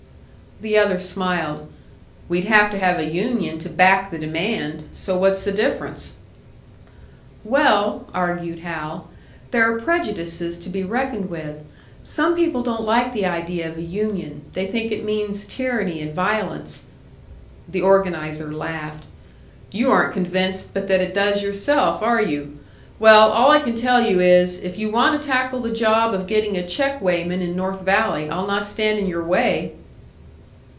The other smiled. "We'd have to have a union to back the demand; so what's the difference?" "Well," argued Hal, "there are prejudices to be reckoned with. Some people don't like the idea of a union they think it means tyranny and violence " The organiser laughed. "You aren't convinced but that it does yourself, are you! Well, all I can tell you is, if you want to tackle the job of getting a check weighman in North Valley, I'll not stand in your way!"